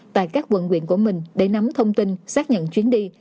tại các quận quyện của mình để nắm thông tin xác nhận chuyến đi